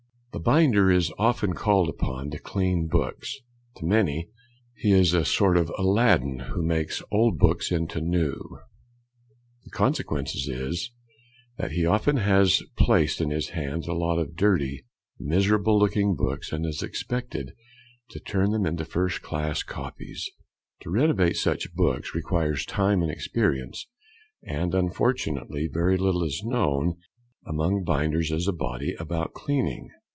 The binder is often called upon to clean books; to many he is a sort of Aladdin, who makes old books into new; the consequence is that he often has placed in his hands a lot of dirty, miserable looking books, and is expected to turn them into first class copies. To renovate such books requires time and experience, and unfortunately very little is known among binders as a body about cleaning.